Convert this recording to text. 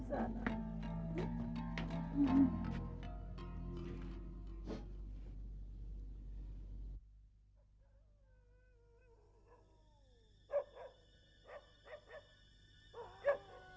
selamat datang ke rumah saya